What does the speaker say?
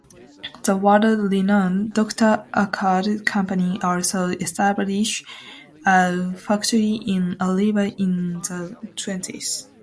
The world-renowned Dr.Oetker company also established a factory in Oliva in the twenties.